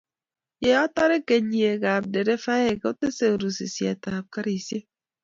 yo atoree, kenyiekab nderefainik kotesee rusisietab karishek